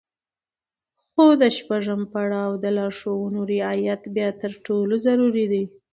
خو د شپږم پړاو د لارښوونو رعايت بيا تر ټولو ضروري دی.